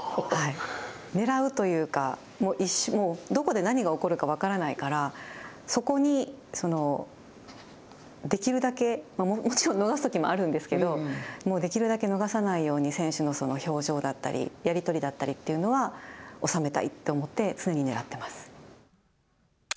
ねらうというかどこで何が起こるか分からないからそこに、できるだけもちろん逃すときもあるんですけれどももうできるだけ逃さないように選手の表情だったりやり取りだったりというのは収めたいと思って常にねらってます。